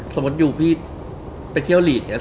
สมมติอยู่พี่ไปเที่ยวหลีกเนี่ย